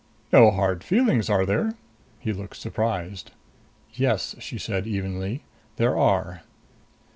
"No hard feelings, are there?" He looked surprised. "Yes," she said evenly. "There are."